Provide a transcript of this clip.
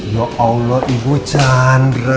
ya allah ibu candre